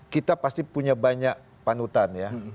kita pasti punya banyak panutan ya